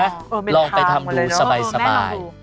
เออเป็นทางเลยนะแม่งเอาดูลองไปทำดูสบาย